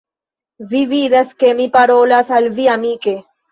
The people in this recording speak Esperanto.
Vi vidas, ke mi parolas al vi amike.